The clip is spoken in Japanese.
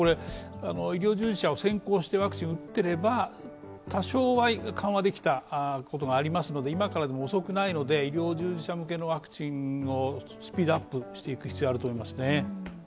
医療従事者を先行してワクチン打ってれば、多少は緩和できたことがありますので今からでも遅くないので医療従事者向けのワクチンをスピードアップしていく必要があると思います。